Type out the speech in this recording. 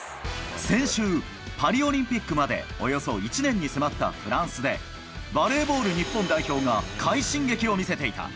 先週、パリオリンピックまでおよそ１年に迫ったフランスで、バレーボール日本代表が快進撃を見せていた。